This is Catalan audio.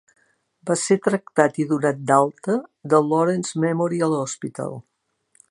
Va ser tractat i donat d'alta del Lawrence Memorial Hospital.